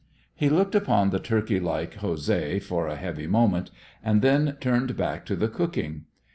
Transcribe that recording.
He looked upon the turkey like José for a heavy moment, and then turned back to the cooking.